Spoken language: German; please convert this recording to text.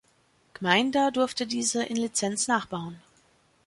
Gmeinder durfte diese in Lizenz nachbauen.